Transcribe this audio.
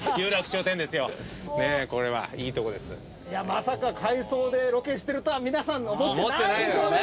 まさか回送でロケしてるとは皆さん思ってないでしょうね